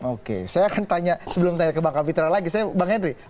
oke saya akan tanya sebelum tanya ke bang kapitra lagi saya bang henry